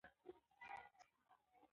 د خلکو باور د هر واک تر ټولو لویه پانګه ده